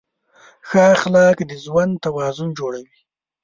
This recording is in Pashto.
ښه اخلاق د ژوند توازن جوړوي.